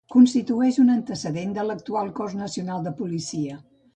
Constitueix un antecedent de l'actual Cos Nacional de Policia.